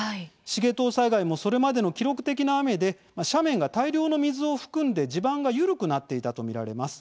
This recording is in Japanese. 繁藤災害もそれまでの記録的な雨で斜面が大量の水を含んで地盤が緩くなっていたと見られます。